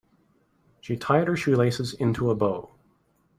She tied her shoelaces into a bow.